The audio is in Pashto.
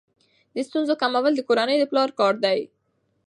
د ستونزو کمول د کورنۍ د پلار کار دی.